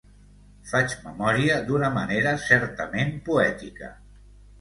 Faig memòria d'una manera certament poètica.